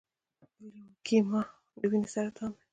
د لیوکیمیا د وینې سرطان دی.